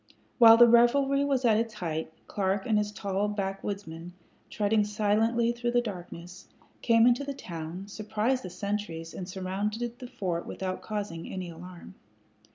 While the revelry was at its height, Clark and his tall backwoodsmen, treading silently through the darkness, came into the town, surprised the sentries, and surrounded the fort without causing any alarm.